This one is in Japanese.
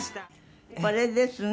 これですね。